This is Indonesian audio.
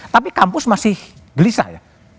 tapi kampus masih gelisah ya